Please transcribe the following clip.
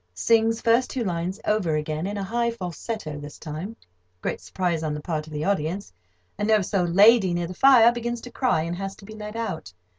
[Sings first two lines over again, in a high falsetto this time. Great surprise on the part of the audience. Nervous old lady near the fire begins to cry, and has to be led out.